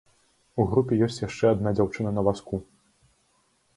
У групе ёсць яшчэ адна дзяўчына на вазку.